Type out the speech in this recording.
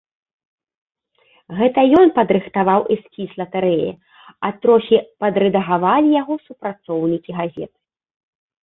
Гэта ён падрыхтаваў эскіз латарэі, а трохі падрэдагавалі яго супрацоўнікі газеты.